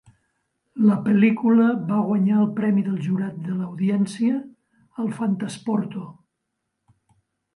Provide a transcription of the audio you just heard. La pel·lícula va guanyar el "Premi del jurat de l'audiència" al Fantasporto.